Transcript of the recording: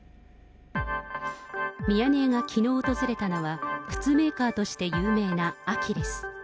ミヤネ屋がきのう訪れたのは、靴メーカーとして有名なアキレス。